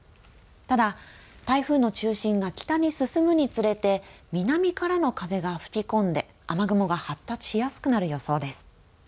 ただ、台風の中心が北に進むにつれて南からの風が吹き込んで雨雲が発達しやすくなる予想です。